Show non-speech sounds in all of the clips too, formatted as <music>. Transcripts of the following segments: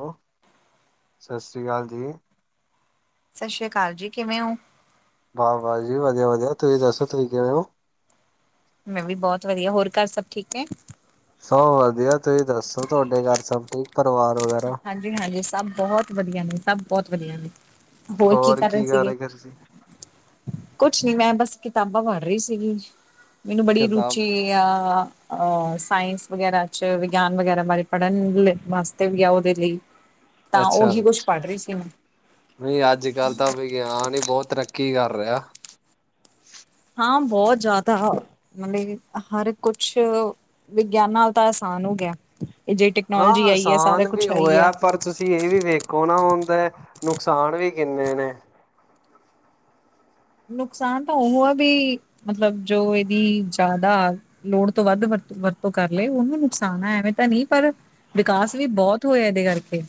ਹੋ, ਸਤਿ ਸ਼੍ਰੀ ਅਕਾਲ ਜੀ ਸਤਿ ਸ੍ਰੀ ਅਕਾਲ ਜੀ ਕਿਵੇਂ ਹੋ ਵਾਹ ਬਾਹ ਜੀ ਵਧੀਆ ਵਧੀਆ ਤੁਸੀਂ ਦੱਸੋ ਤੁਸੀਂ ਕਿਵੇਂ ਹੋ ਮੈਂ ਵੀ ਬਹੁਤ ਵਧੀਆ ਹੋਰ ਘਰ ਸਭ ਠੀਕ ਹੈ ਸਭ ਵਧੀਆ ਤੁਸੀਂ ਦੱਸੋ ਤੁਹਾਡੇ ਘਰ ਸਭ ਠੀਕ ਪਰਿਵਾਰ ਵਗੈਰਾ ਹਾਂਜੀ ਸਭ ਬਹੁਤ ਵਧੀਆ ਨੇ ਸਭ ਬਹੁਤ ਵਧੀਆ ਨੇ ਹੋਰ ਕੀ ਕਰ ਰਹੇ ਸੀਗੇ ਕੁਛ ਨੀ ਮੈਂ ਬਸ ਕਿਤਾਬਾਂ ਭਰ ਰਹੀ ਸੀਗੀ ਮੈਨੂੰ ਬੜੀ ਕਿਤਾਬ ਰੁਚੀ ਸਾਇੰਸ ਵਗੈਰਾ ਚ ਵਿਗਿਆਨ ਵਗੈਰਾ ਬਾਰੇ ਪੜ੍ਹਨ ਵਾਸਤੇ ਵੀ ਆ ਦੇ ਲਈ ਤਾਂ ਅੱਛਾ ਉਹੀ ਕੁਛ ਪੜ੍ਹ ਰਹੀ ਸੀ ਮੈਂ ਨਹੀਂ ਅੱਜ ਕੱਲ ਤਾਂ ਵੀ ਗਿਆ ਨੀ ਬਹੁਤ ਤਰੱਕੀ ਕਰ ਰਿਹਾ ਹਾਂ ਬਹੁਤ ਜ਼ਿਆਦਾ ਮਤਲਬ ਹਰ ਕੁਛ ਵਿਗਿਆਨ ਨਾਲ ਤਾਂ ਆਸਾਨ ਹੋ ਗਿਆ ਇਹ ਜਿ ਹਾਂ ਟੈਕਨੋਲੋਜੀ ਆਈ ਹੈ ਸਾਰਾ ਆਸਾਨ ਵੀ ਕੁਛ ਆਈ ਆ ਹੋਇਆ ਪਰ ਤੁਸੀਂ ਇਹ ਵੀ ਵੇਖੋ ਨਾ ਹੁੰਦਾ ਨੁਕਸਾਨ ਵੀ ਕਿੰਨੇ ਨੇ ਨੁਕਸਾਨ ਤਾਂ ਉਹ ਆ ਵੀ ਮਤਲਬ ਜੋ ਇਹਦੀ ਜ਼ਿਆਦਾ ਲੋੜ ਤੋਂ ਵੱਧ ਵਰਤ ਵਰਤੋਂ ਕਰ ਲਏ ਉਹਨੂੰ ਨੁਕਸਾਨ ਹੈ ਐਵੇਂ ਤਾਂ ਨਹੀਂ ਪਰ ਵਿਕਾਸ ਵੀ ਬਹੁਤ ਹੋਇਆ ਇਹਦੇ ਕਰਕੇ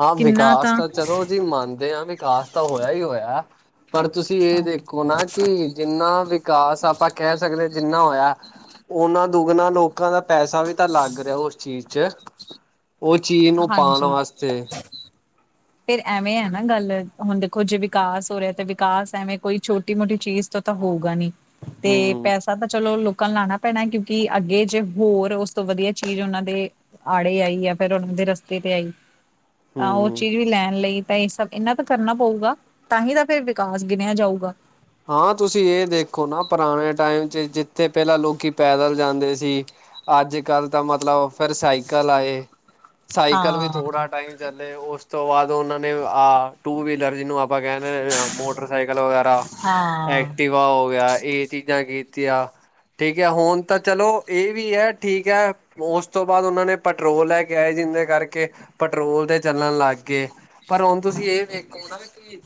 ਹਾਂ ਵਿਕਾਸ ਤਾਂ ਚਲੋ ਜੀ ਮੰਨਦੇ ਹਾਂ ਵਿਕਾਸ ਤਾਂ ਹੋਇਆ ਹੀ ਹੋਇਆ ਪਰ ਤੁਸੀਂ ਇਹ ਹਾਂ ਦੇਖੋ ਨਾ ਕਿ ਜਿੰਨਾ ਵਿਕਾਸ ਆਪਾਂ ਕਹਿ ਸਕਦੇ ਜਿੰਨਾ ਹੋਇਆ ਉਹਨਾਂ ਦੁਗਣਾ ਲੋਕਾਂ ਦਾ ਪੈਸਾ ਵੀ ਤਾਂ ਲੱਗ ਰਿਹਾ ਉਸ ਚੀਜ਼ ਚ ਉਹ ਚੀਜ਼ ਨੂੰ ਪਾਉਣ ਹਾਂਜੀ ਵਾਸਤੇ ਫੇਰ ਐਵੇਂ ਹੈ ਨਾ ਗੱਲ ਹੁਣ ਦੇਖੋ ਜੇ ਵਿਕਾਸ ਹੋ ਰਿਹਾ ਤੇ ਵਿਕਾਸ ਐਵੇਂ ਕੋਈ ਛੋਟੀ ਮੋਟੀ ਚੀਜ਼ ਤੋਂ ਤਾਂ ਹੋਊਗਾ ਨੀ ਤੇ ਹੂੰ ਪੈਸਾ ਤਾਂ ਚਲੋ ਚੱਕਣ ਲਾਉਣਾ ਪੈਣਾ ਕਿਉਂਕਿ ਅੱਗੇ ਜੇ ਹੋਰ ਉਸ ਤੋਂ ਵਧੀਆ ਚੀਜ਼ ਉਹਨਾਂ ਦੇ ਆੜੇ ਆਈ ਹੈ ਫਿਰ ਰ ਦੇ ਰਸਤੇ ਤੇ ਆਈ ਤਾਂ ਉਹ ਹੂੰ। ਚੀਜ਼ ਵੀ ਲੈਣ ਲਈ ਤਾਂ ਇਹ ਸਭ ਇਹਨਾਂ ਤੋਂ ਕਰਨਾ ਪਊਗਾ ਤਾਂ ਹੀ ਤਾਂ ਫੇਿਰ ਵਿਕਾਸ ਗਿਣਿਆ ਜਾਊਗਾ ਹਾਂ ਤੁਸੀਂ ਇਹ ਦੇਖੋ ਨਾ ਪੁਰਾਣੇ ਟਾਈਮ ਚ ਜਿੱਥੇ ਪਹਿਲਾਂ ਲੋਕੀ ਪੈਦਲ ਜਾਂਦੇ ਸੀ ਅੱਜ ਕੱਲ੍ਹ ਤਾਂ ਮਤਲਬ ਫਿਰ ਸਾਈਕਲ ਆਏ ਸਾਈਕਲ ਵੀ ਹਾਂ ਥੋੜਾ ਟਾਈਮ ਚੱਲੇ, ਉਸ ਤੋਂ ਬਾਅਦ ਉਹਨਾਂ ਨੇ ਆਹ ਟੂ ਵੀਲਰ ਜਿਹਨੂੰ ਫਿਰ ਕਹਿੰਦੇ ਮੋਟਰਸਾਈਕਲ ਵਗੈਰਾ ਹਾਂ ਐਕਟਿਵਾ ਹੋ ਗਿਆ, ਇਹ ਚੀਜ਼ਾਂ ਕੀਤੀਆਂ ਠੀਕ ਹੈ, ਹੁਣ ਤਾਂ ਚਲੋ ਇਹ ਵੀ ਹੈ, ਠੀਕ ਹੈ ਉਸ ਤੋਂ ਬਾਅਦ ਉਹਨਾਂ ਨੇ ਪੈਟਰੋਲ ਲੈ ਕੇ ਆਏ, ਜਿਹਦੇ ਕਰਕੇ, ਪੈਟਰੋਲ ਤੇ ਚੱਲਣ ਲੱਗ ਗਏ। ਪਰ ਹੁਣ ਤੁਸੀਂ ਇਹ ਵੇਖੋ ਨਾ, ਕੀ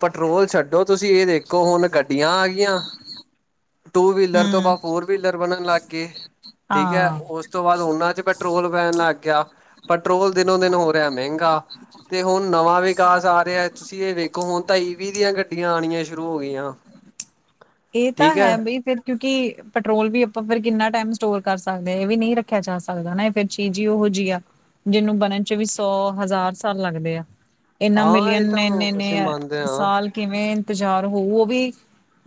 ਪੈਟਰੋਲ ਛੱਡੋ ਤੁਸੀਂ ਇਹ ਦੇਖੋ ਹੁਣ ਗੱਡੀਆਂ ਆ ਗਈਆਂ ਟੂ ਵੀਲਰ ਤੋਂ ਹੂੰ ਬਾਅਦ ਫੋਰ ਵੀਲਰ ਬਣਨ ਲੱਗ ਗਏ, ਠੀਕ ਹੈ, ਹਾਂ ਉਸ ਉਸ ਤੋਂ ਬਾਅਦ ਉਹਨਾਂ ਚ ਪੈਟਰੋਲ ਪੈਣ ਲੱਗ ਗਿਆ, ਪੈਟਰੋਲ ਦਿਨੋ ਦਿਨ ਹੋ ਰਿਹਾ ਮਹਿੰਗਾ। ਤੇ ਹੁਣ ਨਵਾਂ ਵਿਕਾਸ ਆ ਰਿਹਾ ਤੁਸੀਂ ਇਹ ਵੇਖੋ, ਹੁਣ ਤਾਂ ਈਵੀ ਦੀਆਂ ਗੱਡੀਆਂ ਆਣੀਆਂ ਸ਼ੁਰੂ ਹੋ ਗਈ ਆ ਏ ਤਾਂ ਹੈ ਬਈ, ਫਿਰ ਕਿਉਂਕਿ ਪੈਟਰੋਲ ਵੀ ਆਪਾਂ ਫਿਰ ਕਿੰਨਾ ਟਾਈਮ ਸਟੋਰ ਕਰ ਸਕਦੇ ਹਾਂ, ਇਹ ਵੀ ਨਹੀਂ ਰੱਖਿਆ ਜਾ ਸਕਦਾ ਨਾ ਫਿਰ ਚੀ ਜੀ ਉਹੋ ਜਿਹੀ ਆ, ਜਿਹਨੂੰ ਬਣਨ ਚ ਵੀ ਸੌ ਹਜ਼ਾਰ ਸਾਲ ਲੱਗਦੇ ਆ। ਇੰਨਾਂ ਹਾਂ ਮਿਲੀਅਨ ਇਹ ਨੇ ਤਾਂ ਇੰਨੇ ਅਸੀਂ ਇੰਨੇ ਮੰਨਦੇ ਹਾਂ ਸਾਲ ਕਿਵੇਂ ਇੰਤਜ਼ਾਰ ਹੋਊ, ਉਹ ਵੀ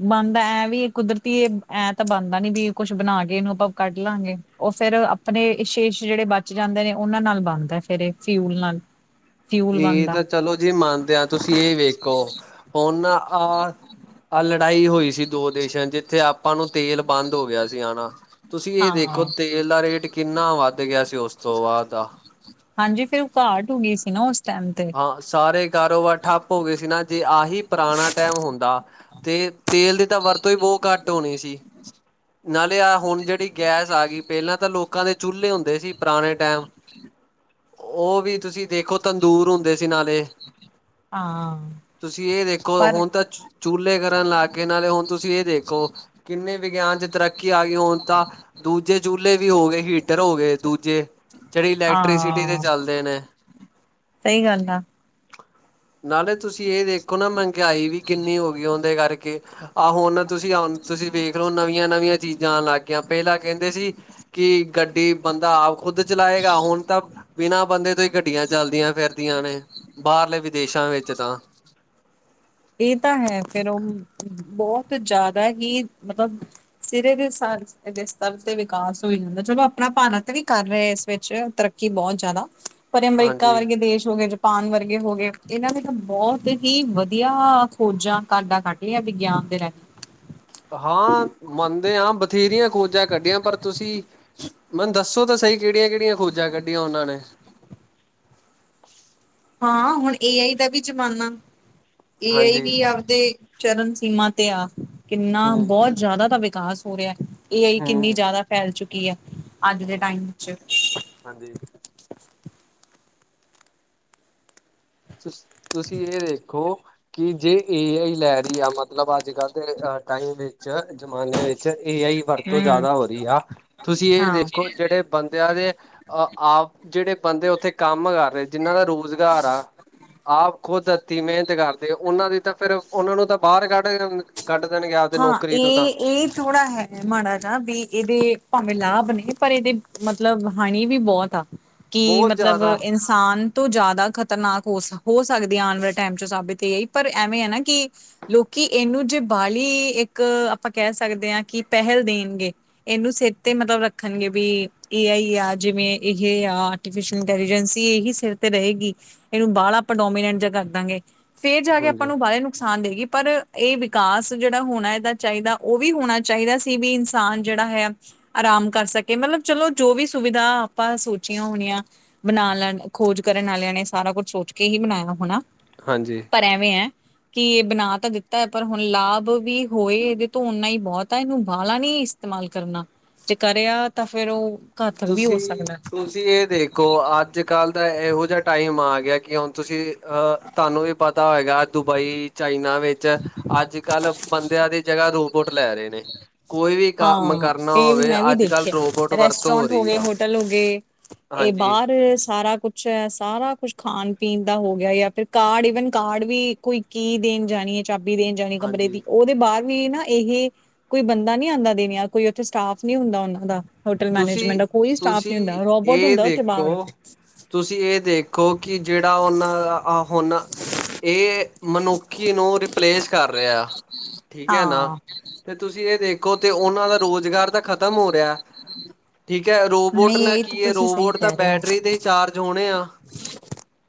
ਬਣਦਾ, ਐਂ ਵੀ ਕੁਦਰਤੀ, ਐਂ ਤਾਂ ਬਣਦਾ ਨੀ ਵੀ ਕੁੱਛ ਬਣਾ ਕੇ ਇਹਨੂੰ ਆਪਾਂ ਕੱਢ ਲਾਂਗੇ। ਉਹ ਫਿਰ ਆਪਣੇ ਵਿਸ਼ੇਸ਼ ਜਿਹੜੇ ਬਚ ਜਾਂਦੇ ਨੇ, ਉਹਨਾਂ ਨਾਲ ਬਣਦਾ ਫਿਰ ਇਹ ਫਿਊਲ ਨਾਲ। ਹ <unintelligible> ਫਿਊਲ ਇਹ ਬਣਦਾ ਤਾਂ, ਚਲੋ ਜੀ ਮੰਨਦੇ ਆ, ਤੁਸੀਂ ਇਹ ਵੇਖੋ, ਹੁਣ ਆਹ। ਆਹ ਲੜਾਈ ਹੋਈ ਸੀ, ਦੋ ਦੇਸ਼ਾਂ ਚ, ਜਿੱਥੇ ਆਪਾਂ ਨੂੰ ਤੇਲ ਬੰਦ ਹੋ ਗਿਆ ਸੀ ਆਣਾ ਤੁਸੀਂ ਇਹ ਹਾਂ ਦੇਖੋ, ਤੇਲ ਦਾ ਰੇਟ ਕਿੰਨਾ ਵੱਧ ਗਿਆ ਸੀ, ਉਸ ਤੋਂ ਬਾਅਦ ਦਾ ਹਾਂਜੀ ਫਿਰ ਉਹ ਘਾਟ ਹੋ ਗਈ ਸੀ ਨਾ, ਉਸ ਟਾਈਮ ਤੇ। ਸਾਰੇ ਕਾਰੋਬਾਰ ਠੱਪ ਹੋ ਗਏ ਸੀ ਨਾ, ਜੇ ਆਹੀ ਪੁਰਾਣਾ ਟਾਈਮ ਹੁੰਦਾ। ਤੇ ਤੇਲ ਦੀ ਤਾਂ ਵਰਤੋਂ ਹੀ ਬਹੁਤ ਘੱਟ ਹੋਣੀ ਸੀ। ਨਾਲੇ ਐ ਹੁਣ ਜਿਹੜੀ ਗੈਸ ਆ ਗਈ, ਪਹਿਲੇ ਤਾਂ ਲੋਕਾਂ ਦੇ ਚੁੱਲੇ ਹੁੰਦੇ ਸੀ, ਪੁਰਾਣੇ ਟਾਈਮ। ਉਹ ਵੀ ਤੁਸੀਂ ਦੇਖੋ, ਤੰਦੂਰ ਹੁੰਦੇ ਸੀ ਨਾਲੇ। ਹਾਂ ਤੁਸੀਂ ਇਹ ਦੇਖੋ, ਪਰ ਹੁਣ ਤਾਂ। ਚੁਲਹੇ ਕਰਨ ਲਾ ਕੇ, ਨਾਲੇ ਹੁਣ ਤੁਸੀਂ ਇਹ ਦੇਖੋ, ਕਿੰਨੇ ਵਿਗਿਆਨ ਚ ਤਰੱਕੀ ਆ ਗਈ, ਹੁਣ ਤਾਂ ਦੂਜੇ ਚੁਲਹੇ ਵੀ ਹੋ ਗਏ, ਹੀਟਰ ਹੋ ਗਏ ਦੂਜੇ ਜਿਹੜੀ ਇਲੈਕਟ੍ਰੀਸਿਟੀ ਤੇ ਹਾਂ, ਚੱਲਦੇ ਨੇ। ਸਹੀ ਗੱਲ ਆ। ਨਾਲੇ ਤੁਸੀਂ ਇਹ ਦੇਖੋ ਨਾ, ਮਹਿੰਗਾਈ ਵੀ ਕਿੰਨੀ ਹੋ ਗਈ ਔਦੇ ਕਰਕੇ। ਆਹੋ ਹੁਣ ਤੁਸੀਂ ਆ ਤੁਸੀਂ ਵੇਖ ਲੋ, ਨਵੀਆਂ ਨਵੀਆਂ ਚੀਜ਼ਾਂ ਆਉਣ ਲੱਗ ਗਈਆਂ, ਪਹਿਲਾਂ ਕਹਿੰਦੇ ਸੀ ਕਿ ਗੱਡੀ ਬੰਦਾ ਆਪ ਖੁੱਦ ਚਲਾਏਗਾ, ਹੁਣ ਤਾਂ ਬਿਨਾਂ ਬੰਦੇ ਤੋਂ ਹੀ ਗੱਡੀਆਂ ਚਲਦੀਆਂ ਫਿਰਦੀਆਂ ਨੇ, ਬਾਹਰਲੇ ਵਿਦੇਸ਼ਾਂ ਵਿੱਚ ਤਾਂ। ਇਹ ਤਾਂ ਹੈ, ਫਿਰ ਉਹ ਬਹੁਤ ਜ਼ਿਆਦਾ ਹੀ, ਮਤਲਬ ਸਿਰੇ ਦੀ ਸਾਂਝ ਐ ਜਿਸ ਸਤਰ ਤੇ ਵਿਕਾਸ ਹੋ ਜਾਂਦਾ, ਚਲੋ ਆਪਣਾ ਭਾਨਾ ਤੇ ਵੀ ਕਰ ਰਹੇ ਇਸ ਵਿੱਚ ਤਰੱਕੀ, ਬਹੁਤ ਜ਼ਿਆਦਾ। ਪਰ ਅਮਰੀਕਾ ਹਾਂਜੀ ਵਰਗੇ ਦੇਸ਼ ਹੋ ਗਏ, ਜਪਾਨ ਵਰਗੇ ਹੋ ਗਏ, ਇਹਨਾਂ ਦੇ ਤਾਂ ਬਹੁਤ ਹੀ ਵਧੀਆ ਖੋਜਾਂ ਘਟਾ ਕੱਡਿਆ, ਵਿਗਿਆਨ ਦੇ ਰਾਹੀਂ। ਹਾਂ ਮੰਨਦੇ ਹਾਂ, ਬਥੇਰੀਆਂ ਖੋਜਾਂ ਕੱਢੀਆਂ, ਪਰ ਤੁਸੀਂ ਮੈਨੂੰ ਦੱਸੋ ਤਾਂ ਸਹੀ, ਕਿਹੜੀਆਂ ਕਿਹੜੀਆਂ ਖੋਜਾਂ ਕੱਢੀਆਂ, ਉਹਨਾਂ ਨੇ। ਹਾਂ ਹੁਣ ਏ ਆਈ ਦਾ ਵੀ ਜ਼ਮਾਨਾ, ਏ ਆਈ ਹਾਂਜੀ ਵੀ ਆਪਦੇ ਚਰਨ ਸੀਮਾ ਤੇ ਆ, ਕਿੰਨਾ ਹੂੰ ਬਹੁਤ ਜ਼ਿਆਦਾ ਤਾਂ ਵਿਕਾਸ ਹੋ ਰਿਹਾ ਹੈ। ਏ ਆਈ ਹੂੰ ਕਿੰਨੀ ਹੂੰ ਜ਼ਿਆਦਾ ਫੈਲ ਚੁੱਕੀ ਹੈ, ਅੱਜ ਦੇ ਹੂੰ ਟਾਈਮ ਵਿੱਚ ਹਾਂਜੀ। ਤੁ। ਤੁਸੀਂ। ਇਹ। ਦੇਖੋ। ਕਿ। ਜੇ। ਏ। ਆਈ। ਹੀ। ਲੈ। ਰਹੀ। ਆ। ਮਤਲਬ। ਅੱਜ। ਕੱਲ੍ਹ। ਦੇ। ਅਹ। ਟਾਈਮ। ਵਿੱਚ। ਜਮਾਨੇ। ਵਿੱਚ। ਇਹ। ਆ। ਹੀ। ਵਰਤੋਂ। ਹਮ ਹਮ ਜ਼ਿਆਦਾ। ਹੋ। ਰਹੀ। ਆ। ਤੁਸੀਂ। ਇਹ। ਹਾਂ ਦੇਖੋ। ਜਿਹੜੇ। ਬੰਦੇ। ਦੇ। ਆਪ। ਜਿਹੜੇ। ਬੰਦੇ। ਉੱਥੇ। ਕੰਮ। ਕਰ। ਰਹੇ। ਜਿੰਹਨਾਂ। ਦਾ। ਰੁਜ਼ਗਾਰ। ਆ। ਆਪ। ਖੁਦ। ਦਿੱਤੀ। ਮਿਹਨਤ। ਕਰਦੇ। ਉਹਨਾਂ। ਦੀ। ਤਾਂ। ਫੇਿਰ। ਉਹਨਾਂ। ਨੂੰ। ਤਾਂ। ਬਾਹਰ। ਕੱਢ। ਕੱਢ। ਦੇਣ। ਗਿਆ। ਹਾਂ। ਇਹ। ਇਹ। ਥੋੜਾ। ਹੈ। ਮਾੜਾ ਜ, ਵੀ ਇਹਦੇ ਭਾਵੇਂ ਲਾਭ ਨੇ, ਪਰ ਇਹਦੇ ਮਤਲਬ ਹਾਣੀ ਵੀ ਬਹੁਤ ਆ। ਕੀ ਬਹੁਤ ਮਤਲਬ ਜ਼ਿਆਦਾ ਐਸ ਨੁਕਸਾਨ ਤੋਂ ਜ਼ਿਆਦਾ ਖ਼ਤਰਨਾਕ ਹੋ, ਹੋ ਸਕਦੀ ਹੈ ਆਉਣ ਵਾਲੇ ਟਾਈਮ ਚ ਸਾਬਿਤ ਏ ਆਈ, ਪਰ ਐਵੇਂ ਐ, ਨਾ ਕਿ ਲੋਕੀ ਇਹਨੂੰ ਜੇ ਬਾਹਲੀ, ਇੱਕ ਆਪਾਂ ਕਹਿ ਸਕਦੇ ਹਾਂ, ਕਿ ਪਹਿਲ ਦੇਣਗੇ। ਇਹਨੂੰ। ਸਿਰ। ਤੇ। ਮਤਲਬ। ਰੱਖਣਗੇ। ਵੀ। ਏ। ਆਈ। ਆ। ਜਿਵੇਂ। ਇਹ। ਆ। ਆਟੀਫਿ। ਇੰਟੈਲੀਜੈਂਸ। ਇਹੀ। ਸਿਰ। ਤੇ ਰਹੇਗੀ। ਇਹਨੂੰ। ਬਾਹ। ਆਪਾਂ। ਡੋਮੀਨੈਂਟ। ਜ। ਕਰ। ਦਾਂਗੇ। ਫੇਰ। ਜਾ। ਕੇ। ਆਪਾਂ। ਹਾਂਜੀ ਨੂੰ। ਬਾਹਲੇ। ਨੁਕਸਾਨ। ਦੇਗੀ। ਪਰ। ਇਹ। ਵਿਕਾਸ। ਜਿਹੜਾ। ਹੋਣਾ। ਇਹਦਾ। ਚਾਹੀਦਾ। ਉਹ। ਵੀ। ਹੋਣਾ। ਚਾਹੀਦਾ। ਸੀ। ਵੀ। ਇਨਸਾਨ। ਜਿਹੜਾ। ਹੈ। ਆਰਾਮ। ਕਰ। ਸਕੇ। ਮਤਲਬ। ਚਲੋ। ਜੋ। ਵੀ। ਸੁਵਿਧਾ। ਆਪਾਂ। ਸੋਚੀਆਂ। ਹੋਣੀਆਂ। ਬਣਾ ਲੈਣ ਖੋਜ ਕਰਨ ਵਾਲਿਆਂ ਨੇ ਸਾਰਾ ਕੁਛ ਸੋਚ ਕੇ ਹੀ ਬਣਾਇਆ ਹੋਣਾ। ਹਾਂਜੀ। ਐਵੇਂ ਹੈ ਕਿ ਇਹ ਬਣਾ ਤਾਂ ਦਿੱਤਾ ਹੈ ਪਰ ਹੁਣ ਲਾਭ। ਵੀ ਹੋਏ ਇਹਦੇ ਤੋਂ ਓਨਾ ਹੀ ਬਹੁਤ ਆ ਇਹਨੂੰ ਬਾਹਲਾ ਨੀ ਇਸਤੇਮਾਲ ਕਰਨਾ। ਜੇ ਕਰਿਆ ਤਾਂ ਫੇਿਰ ਉਹ ਘਰ ਤਕ ਵੀ ਹੋ ਤੁਸੀਂ ਸਕਦਾ। ਤੁਸੀਂ ਏਹ ਦੇਖੋ, ਅੱਜ-ਕੱਲ੍ਹ ਦਾ ਏਹੋ ਜਾ ਟਾਈਮ ਆ ਗਿਆ ਕਿ ਹੁਣ ਤੁਸੀਂ ਅਹ ਤੁਹਾਨੂੰ ਵੀ ਪਤਾ ਹੋਏਗਾ, ਦੁਬਈ ਚਾਈਨਾ ਵਿੱਚ ਅੱਜ-ਕੱਲ੍ਹ ਬੰਦਿਆਂ ਦੀ ਜਗ੍ਹਾ ਰੋਬੋਟ ਲੈ ਰੇ ਨੇ। ਕੋਈ ਵੀ ਕੰਮ ਹਾਂ ਕਰਨਾ ਹੋਵੇ ਅੱਜ-ਕੱਲ੍ਹ ਰੋਬੋਟ ਵਰਤ ਟਰੋਂਟ ਹੋ ਗਏ ਹੋਟਲ ਹੋ ਗੇ, ਏ ਹਾਂਜੀ ਬਾਰ ਸਾਰਾ ਕੁੱ ਅੱਛਾ, ਸਾਰਾ ਕੁਛ ਖਾਣ-ਪੀਣ ਦਾ ਹੋ ਗਿਆ, ਯਾ ਫਿਰ ਕਾਰਡ ਈਵਨ ਕਾਰਡ ਵੀ ਕੋਈ ਕੀ ਦੇਣ ਜਾਣੀ ਏ। ਚਾਬੀ ਦੇਣ ਜਾਣੀ ਕਮਰੇ ਹਾਂਜੀ ਦੀ ਓਹਦੇ ਬਾਰ ਵੀ ਨਾ ਏਹੇ ਕੋਈ ਬੰਦਾ ਨੀ ਨੀ ਆੰਦਾ ਦੇਣੀਆਂ ਕੋਈ ਔਥੇ ਸਟਾਫ ਨੀ ਹੁੰਦਾ ਔਨਾਂ ਦਾ। ਹੋਟਲ ਤੁਸੀਂ ਮੈਨੇਜਮੈਂਟ ਦਾ, ਕੋਈ ਸਟਾਫ ਨੀ ਤੁਸੀਂ ਹੁੰਦਾ ਰੋਬੋਟ ਇਹ ਹੁੰਦਾ ਔਥੇ ਬਾਰ। ਦੇਖੋ ਤੁਸੀਂ ਏ ਦੇਖੋ ਕਿ ਜੇੜਾ ਔਨਾਂ ਹੁਣ ਏ ਮਨੁੱਖੀ ਨੂੰ ਰਿਪਲੇਸ ਕਰ ਰਿਹਾ। ਠੀਕ ਹੈ ਨਾ ਹਾਂ। ਤੇ ਤੁਸੀਂ ਏਹ ਦੇਖੋ ਤੇ ਓਹਨਾਂ ਦਾ ਰੋਜ਼ਗਾਰ ਤੇ ਖ਼ਤਮ ਹੋ ਰਿਹੈ। ਠੀਕ ਹੈ, ਰੋਬੋਟ ਨਹੀਂ ਨਾਲ ਇਹ ਤਾਂ ਕੀ ਹੈ ਤੁਸੀਂ ਸਹੀ ਰੋਬੋਟ ਤਾਂ ਕਹਿ ਰਹੇ ਹੋ ਬੈਟਰੀ ਦੇ ਹੀ ਚਾਰਜ ਹੋਣੇ ਆ।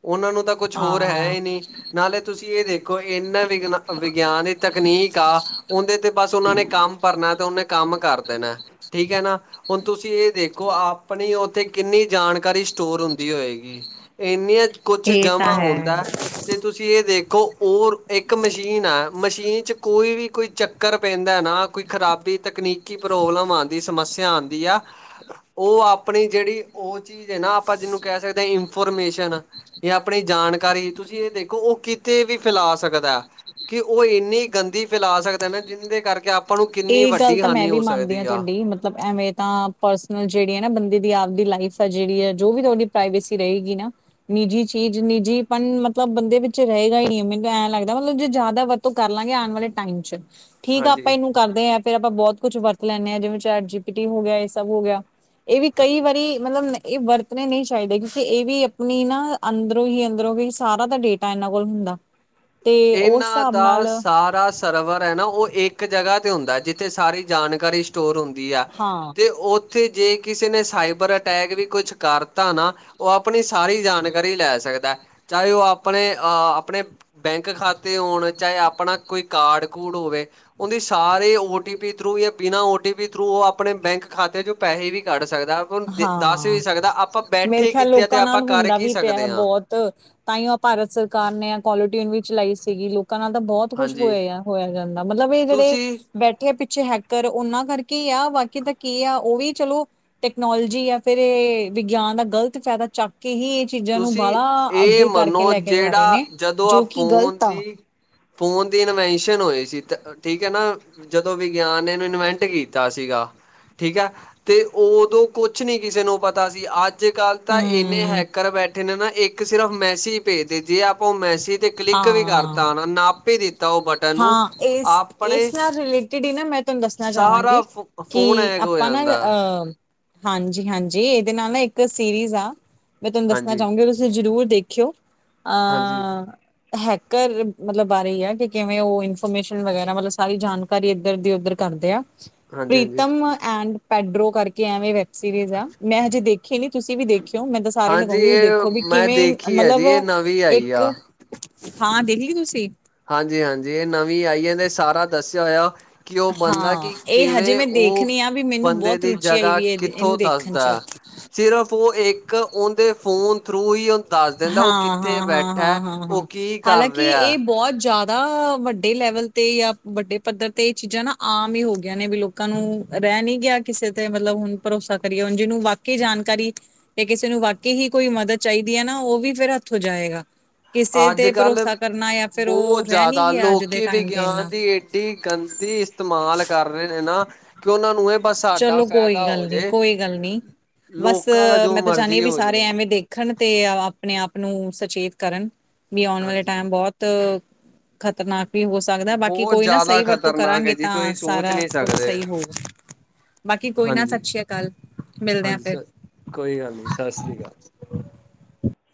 ਓਹਨਾਂ ਨੂੰ ਤਾਂ ਕੁਛ ਹੋਰ ਹੈ ਹਾਂ ਹੀ ਨੀ ਨਾਲੇ ਤੁਸੀਂ ਏਹ ਦੇਖ ਕੋਈ ਇਨਾ ਵਿਗਨਾ ਵਿਗਿਆਨੀ ਤਕਨੀਕ ਆ। ਔੰਦੇ ਤੇ ਬਸ ਓਹਨਾਂ ਨੇ ਕੰਮ ਭਰਨੈ ਤੇ ਓਨੇ ਕੰਮ ਕਰ ਦੇਣੈ, ਠੀਕ ਹੈ ਨਾ। ਹੁਣ ਤੁਸੀਂ ਏਹ ਦੇਖੋ, ਆਪਣੀ ਔਥੇ ਕਿੰਨੀ ਜਾਣਕਾਰੀ ਸਟੋਰ ਹੁੰਦੀ ਹੋਏਗੀ। ਇੰਨੀਆਂ ਕੁਛ ਇਹ ਤਾਂ ਜਮਾਂ ਹੈ ਹੁੰਦੈ। ਤੇ ਤੁਸੀਂ ਏਹ ਦੇਖੋ ਔਰ ਇੱਕ ਮਸ਼ੀਨ ਐ ਮਸ਼ੀਨ 'ਚ ਕੋਈ ਵੀ ਕੋਈ ਚੱਕ ਚੱਕਰ ਪੇੰਦਾ ਨਾ ਕੋਈ ਖਰਾਬੀ, ਤਕਨੀਕੀ ਪ੍ਰੋਬਲਮ ਆਂਦੀ, ਕੋਈ ਸਮੱਸਿਆ ਆੰਦੀ ਆ। ਓਹ ਆਪਣੀ ਜੇੜੀ ਓਹ ਚੀਜ਼ ਏ ਨਾ ਆਪਾਂ ਜਿਨੂੰ ਕੈ ਸਕਦੇ ਆਂ ਇਨਫੋਰਮੇਸ਼ਨ। ਯਾ ਅਪਣੀ ਜਾਣਕਾਰੀ ਤੁਸੀਂ ਏਹ ਦੇਖੋ ਓਹ ਕਿਤੇ ਵੀ ਫੈਲਾ ਸਕਦੈ। ਕਿ ਓਹ ਏੰਨੀ ਗੰਦੀ ਫੈਲਾ ਸਕਦੈ ਨਾ ਜਿੰਦੇ ਕਰਕੇ ਆਪ ਏਹ ਗੱਲ ਤਾਂ ਮੈਂ ਵੀ ਮੰਨਦੀ ਆਂ ਤੁਹੈਡੀ ਮਤਲਬ ਐਵੇਂ ਤਾਂ ਪਰਸਨਲ ਜੇੜੀ ਐ ਨਾ ਬੰਦੇ ਦੀ ਆਪ ਦੀ ਲਾਈਫ ਆ ਜੇੜੀ ਅ ਜੋ ਵੀ ਓਦੀ ਪ੍ਰ੍ਰਾਵੇਸੀ ਰਹੇਗੀ ਨਾ ਨਿੱਜੀ ਚੀਜ਼ ਨਿੱਜੀਪਨ ਮਤਲਬ ਬੰਦੇ ਵਿੱਚ ਰਹੇਗਾ ਹੀ ਨਹੀ। ਮੈਨੂੰ ਤਾਂ ਐਂ ਲੱਗਦਾ ਮਤਲਬ ਜੇ ਜੈਦਾ ਵ ਤੋਂ ਕਰ ਲਾੰਗੇ ਆਣ ਵਾਲੇ ਟਾਈਮ ਚ, ਠੀਕ ਐ ਆਪਾਂ ਹਾਂਜੀ, ਏਨੂੰ ਕਰਦੇ ਆ ਫੇਰ ਅਪਾਂ ਬਹੁਤ ਕੁਛ ਵਰਤ ਲੈਂਣੇ ਆਂ, ਜਿਵੇਂ ਚੈਟ ਜੀ ਪੀ ਟੀ ਹੋ ਗਿਆ, ਏਹ ਸਭ ਹੋ ਗਿਆ। ਏਹ ਵੀ ਕਈ ਹਾਂਜੀ। ਵਾਰੀ ਮਤਲਬ ਨ ਏਹ ਵਰਤਣੇ ਨਹੀਂ ਚਾਹੀਦੇ ਕਿਉਂਕਿ ਏਹ ਵੀ ਅਪਣੀ ਨਾ ਅੰਦਰੋਂ ਹੀ ਅੰਦਰੋਂ ਹੀ ਸਾਰਾ ਦਾ ਡੇਟ ਤਾਂ ਏਨਾਂ ਕੋਲ ਹੁੰਦਾ। ਤੇ ਉਸ ਇਨ੍ਹਾਂ ਹਿਸਾਬ ਦਾ ਨਾਲ ਸਾਰਾ ਸ? ਸਰਵਰ ਐ ਨਾ ਓਹ ਇਕ ਜਗ੍ਹਾ ਤੇ ਹੁੰਦਾ ਹੈ, ਜਿੱਥੇ ਸਾਰੀ ਜਾਣਕਾਰੀ ਸਟੋਰ ਹੁੰਦੀ ਆ, ਹਾਂ ਤੇ ਔਥੇ ਜੇ ਕਿਸੇ ਨੇ, ਸਾਈਬਰ ਅਟੈਕ ਵੀ ਕੁਛ ਕਰ? ਤਾ ਨਾ ਓਹ ਅਪਣੀ ਸਾਰੀ ਜਾਣਕਾਰੀ ਲੈ ਸਕਦਾ ਹੈ। ਚਾਹੇ ਓਹ ਆਪਣੇ ਅ ਅਪਣੇ? ਬੈਂਕ ਖਾਤੇ ਹੋਣ, ਚਾਹੇ ਆਪਣਾ ਕੋਈ ਕਾਰਡ-ਕੂਰਡ ਹੋਵੇ। ਓਦੀ ਸਾਰੇ ਔ ਟੀ ਪੀ ਥਰੂ, ਯਾ ਬਿਨਾਂ ਔ ਟੀ ਪੀ ਥਰੂ, ਓਹ ਆਪਣੇ ਬੈਂਕ ਖਾਤੇਆ ਚੋਂ, ਪੈਹੇ ਵੀ ਕੱਢ ਸਕਦਾ। ਆਪਾਂ ਨੂੰ ਦੱਸ ਵੀ ਹਾਂ, ਸਕਦਾ ਆਪਾਂ ਮੇਰੇ ਬੈਠੇ ਖਿਆਲ ਕਿੱਥੇ ਆ ਤੇ ਲੋਕਾਂ ਆਪਾਂ ਨਾਲ ਕਰ ਹੁੰਦਾ ਕੀ ਵੀ ਪਿਆ ਸਕਦੇ ਹਾਂ ਬਹੁਤ। ਤ ਤਾਂਹੀ ਓਹ ਭਾਰਤ ਸਰਕਾਰ ਨੇ, ਆ ਕੋਲਰਟਯੂਨ ਵੀ ਚਲਾਈ ਸੀਗੀ। ਲੋ ਲੋਕਾਂ ਨਾਲ ਤਾਂ ਬਹੁਤ ਕੁੱਛ ਹਾਂਜੀ ਹੋਇਆ, ਹੋਇਆ ਜਾਂਦਾ, ਮਤਲਬ ਏਹ ਜੇੜੇ? ਤੁਸੀਂ ਬੈਠੇ ਆ ਪਿੱਛੇ ਹੈਕਰ, ਓਨਾਂ ਕਰਕੇ ਹੀ ਆ, ਬਾਕੀ ਤਾਂ ਕੀ ਆ ਓਹ ਵੀ ਚਲੋ? ਟੈਕਨੋਲੋਜੀ ਯਾ, ਫਿਰ ਏਹ ਵਿਗਿਆਨ ਦਾ ਗ਼ਲਤ ਫੈਦਾ ਚੱਕ ਕੇ ਹੀ ਚੀਜ਼ਾਂ ਨੂੰ ਤੁਸੀਂ ਬਾਹਲਾ ਏ ਅੱਗੇ ਕਰਕੇ ਮੰਨੋ, ਲੈ ਕੇ ਜਾ ਰਹੇ ਜੇੜਾ ਨੇ ਜਦੋਂ ਆ ਜੋ ਕਿ ਫੋਨ ਗ਼ਲਤ ਆ ਦੀ? ਫੋਨ ਦੀ ਇਨਵੈਨਸ਼ਨ ਹੋਈ ਸੀ, ਠੀਕ ਹੈ ਨਾ। ਜਦੋਂ ਵਿਗਿਆਨ ਨੇ, ਏਨੂੰ ਇਨਵੈਂਟ ਕੀਤਾ ਸੀਗਾ। ਠੀਕ ਹੈ, ਤੇ ਓਦੋਂ ਕੁਛ ਨਹੀਂ ਕਿਸੇ ਨੂੰ ਪਤਾ ਸੀ, ਅੱਜ? ਅੱਜ-ਕੱਲ੍ਹ ਤਾਂ ਇੰਨੇ ਹਮ ਹੈਕਰ ਬੈਠੇ ਨੇ ਨਾ? ਇੱਕ ਸਿਰਫ ਮੈਸੀੇਜ ਭੇਜਦੇ, ਜੇ ਆਪਾਂ ਓਹ ਮੈਸੀਜ? ਹਾਂ, ਉਹ ਬਟਨ ਨੂੰ ਹਾਂ ਆਪਣੇ ਏਸ-ਏਸ ਨਾਲ ਰਿਲੇਟਿਡ ਹੀ ਨਾ ਮੈਂ? ਤੁਹਾਨੂੰ ਦੱਸਣਾ ਸਾਰਾ ਚਾਹਾਂਗੀ, ਫ ਕਿ ਫੋਨ ਹੈਕ ਹੋ ਆਪਾਂ ਨਾ ਜਾਂਦਾ ਅਹ ਹਾਂਜੀ- ਹਾਂਜੀ, ਇਹਦੇ ਨਾਲ ਨਾ ਇੱਕ ਸੀਰੀਜ਼ ਆ, ਮੈਂ ਤੁਹਾਨੂੰ ਦੱਸਣਾ ਹਾਂਜੀ ਚਾਹੂੰਗੀ, ਤੁਸੀਂ ਜ਼ਰੂਰ ਦੇਖਿਓ। ਆ? ਹਾਂਜੀ ਹੈਕਰ ਮਤਲਬ ਬਾਰੇ ਹੀ ਹੈ, ਕਿ ਕਿਵੇਂ ਉਹ ਇਨਫੋਰਮੇਸ਼ਨ ਵਗੈਰਾ, ਮਤਲਬ ਸਾਰੀ ਜਾਣ? ਕਾਰੀ ਇੱਧਰ ਦੀ ਉੱਧਰ ਕਰਦੇ ਆ। ਹਾਂਜੀ ਹਾਂਜੀ ਪ੍ਰੀਤਮ ਐਂਡ ਪੈਡਰੋ, ਕਰਕੇ ਐਵੇਂ ਵੈਬ ਸੀਰੀਜ਼, ਆ ਅੱਛਾ। ਮੈਂ ਹਜੇ ਦੇਖੀ? ਖੀ ਨਹੀਂ। ਤੁਸੀਂ ਵੀ ਦੇਖਿਓ ਮੈਂ ਤਾਂ ਸਾਰਿਆਂ ਨੂੰ ਹਾਂਜੀ ਕਹੂੰਗੀ, ਵੀ ਇਹ ਦੇਖੋ ਵੀ ਮੈਂ ਕਿਵੇਂ ਦੇਖੀ ਹੈ ਮਤਲਬ ਜੀ ਇਹ ਨਵੀਂ ਆਈ ਇੱਕ- ਆ। ਹਾਂ ਦੇਖਲੀ ਤੁਸੀਂ? ਹਾਂਜੀ- ਹਾਂਜੀ, ਇਹ ਨਵੀਂ ਆਈ ਹੈ, ਇਨਨੇ ਸਾਰਾ ਦੱਸਿਆ ਹੋਇਆ। ਕਿ ਉਹ ਬਣਦਾ ਹਾਂ ਕਿ, ਇਹ ਹਜੇ ਕਿਵੇਂ ਮੈਂ ਉਹ ਦੇਖਣੀ ਆ ਵੀ ਮੈਨੂੰ ਬੰਦੇ ਬਹੁਤ ਦੀ ਰੁਚੀ ਆਈ ਜਗ੍ਹਾ ਵੀ ਇਹ ਕਿੱਥੋਂ ਇਹਨੂੰ ਦੇਖਣ ਦੱਸਦਾ। ਚ ਸਿਰਫ਼ ਉਹ ਇੱਕ ਉਨਦੇ ਫੋਨ ਥਰੂ ਹੀ, ਦੱਸ ਦਿੰਦਾ ਉਹ ਹਾਂ ਕਿੱਥੇ ਹਾਂ ਹਾਂ ਬੈਠਾ। ਹਾਂ ਹਾਂ ਉਹ ਹਾਂ, ਕੀ ਕਰ ਹਾਲਾਂਕਿ ਰਿਹਾ ਇਹ ਬਹੁਤ ਜ਼ਿਆਦਾ, ਵੱਡੇ ਲੈਵਲ ਤੇ, ਜਾਂ ਵੱਡੇ ਪੱਧਰ ਤੇ, ਇਹ ਚੀਜ਼ਾਂ ਨਾ, ਆਮ ਹੀ ਹੋ ਗਈਆਂ ਨੇ। ਬਿਲਕੁਲ? ਲੋਕਾਂ ਨੂੰ ਰਹਿ ਨਹੀਂ ਗਿਆ। ਕਿਸੇ ਤੇ ਮਤਲਬ ਹੁਣ ਭਰੋਸਾ ਕਰੀਏੁ, ਜਿਹਨੂੰ ਵਾਕਈ ਜਾਣਕਾਰੀ? ਤੇ ਕਿਸੇ ਨੂੰ ਵਾਕੇ ਹੀ ਕੋਈ ਮਦਦ ਚਾਹੀਦੀ ਹੈ, ਨਾ, ਉਹ ਵੀ ਫਿਰ ਹੱਥੋ ਜਾਏਗਾ। ਕਿਸੇ ਤੇ ਅੱਜ-ਕੱਲ ਭਰੋਸਾ ਕਰਨਾ, ਜਾਂ ਫਿਰ ਉਹ ਬਹੁਤ ਰਹਿ ਨਹੀਂ ਜ਼ਿਆਦਾ ਗਿਆ। ਅੱਜ ਦੇ ਲੋਕੀ ਟਾਈਮ ਤੇ ਵਿਗਿਆਨ ਇਨਾ? ਦੀ ਗੰਦਗੀ ਇਸਤੇਮਾਲ ਕਰ ਰਹੇ ਨੇ ਨਾ, ਕਿ ਉਹਨਾਂ ਨੂੰ ਇਹ? ਬਸ ਸਾਡਾ ਚਲੋ ਕੋਈ ਫਾਇਦਾ ਹੋ ਗੱਲ ਨੀ, ਜੇ ਕੋਈ ਗੱਲ ਨੀ, ਬਸ ਲੋਕਾਂ ਦਾ ਜੋ ਮੈਂ ਤਾਂ ਚਾਹੁੰਦੀ ਮਰਜ਼ੀ ਹਾਂ ਭਈ ਹੋ ਸਾਰੇ ਜੇ। ਐਵੇਂ ਦੇਖੇ? ਖਣ ਤੇ ਆਪਣੇ ਆਪ ਨੂੰ ਸਚੇਤ ਕਰਨ, ਵੀ ਆਉਣ ਵਾਲਾ ਹਾਂਜੀ ਟਾਈਮ ਬਹੁਤ? ਤਾਂ ਖ਼ਤਰਨਾਕ ਵੀ ਹੋ ਸਕ? ਸਕਦਾ‌। ਬਾਕੀ ਬਹੁਤ ਕੋਈ ਨਾ ਜ਼ਿਆਦਾ ਸਹੀ ਵਰਤੋਂ ਖ਼ਤਰਨਾਕ ਹੈ ਕਰਾਂਗੇ ਜੀ ਤਾਂ ਤੁਸੀਂ ਸੋਚ ਸਾਰਾ ਨਹੀਂ ਕੁਛ ਸਕਦੇ ਸਹੀ ਹੋਵੇ। ਬਾਕੀ ਕੋਈ ਨਾ, ਹਾਂਜੀ ਸਤਿ ਸ਼੍ਰੀ ਅਕਾਲ ਮਿਲਦੇ ਆ ਹਾਂਜੀ ਫਿਰ। ਸਰ ਕੋਈ ਗੱਲ ਨਹੀਂ, ਸਤਿ ਸ਼੍ਰੀ ਅਕਾਲ।